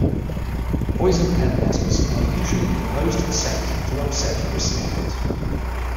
Poison pen letters are usually composed and sent to upset the recipient.